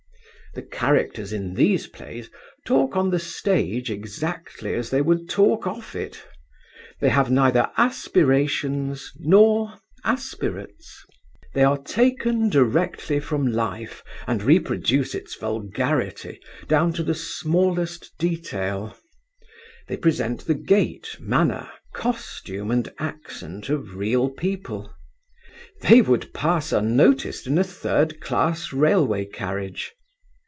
The characters in these plays talk on the stage exactly as they would talk off it; they have neither aspirations nor aspirates; they are taken directly from life and reproduce its vulgarity down to the smallest detail; they present the gait, manner, costume and accent of real people; they would pass unnoticed in a third class railway carriage.